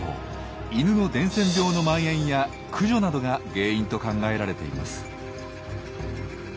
イヌの伝染病のまん延や駆除などが原因と考えられています。